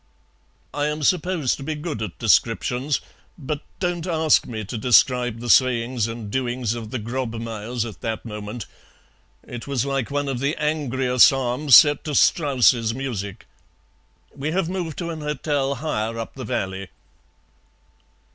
I am supposed to be good at descriptions, but don't ask me to describe the sayings and doings of the Grobmayers at that moment; it was like one of the angrier Psalms set to Strauss's music. We have moved to an hotel higher up the valley."